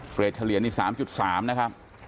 เกรดทะเลียนที่๓๓นะครับ